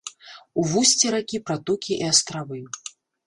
У вусці ракі пратокі і астравы.